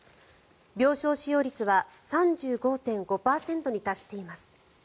病床使用率は３５．５％に達しています。